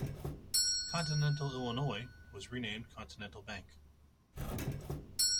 Continental Illinois was renamed Continental Bank.